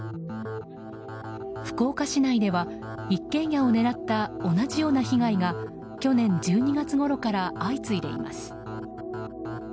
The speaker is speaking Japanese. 福岡市内では、一軒家を狙った同じような被害が去年１２月ごろから相次いでいます。